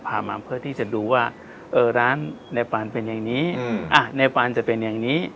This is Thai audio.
พามาเพื่อที่จะดูว่าร้านในปานเป็นอย่างนี้ในปานจะเป็นอย่างนี้